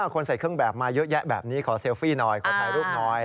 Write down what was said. คนใส่เครื่องแบบมาเยอะแยะแบบนี้ขอเซลฟี่หน่อยขอถ่ายรูปหน่อย